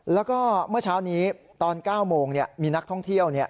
แล้วก็เมื่อเช้านี้ตอน๙โมงมีนักท่องเที่ยว